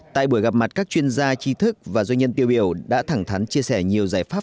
tại buổi gặp mặt các chuyên gia chi thức và doanh nhân tiêu biểu đã thẳng thắn chia sẻ nhiều giải pháp